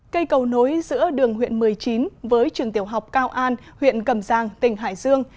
cây cầu nối giữa đường huyện một mươi chín với trường tiểu học cao an huyện cầm giang tỉnh hải dương